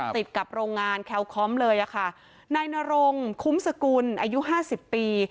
ติดกับโรงงานแคลคอมเลยอะค่ะนายนรงคุ้มสกุลอายุห้าสิบปี